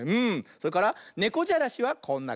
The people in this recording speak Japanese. それからねこじゃらしはこんなかんじ。